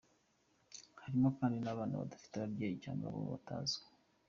Harimo kandi n’abana badafite ababyeyi cyangwa abo batazwi.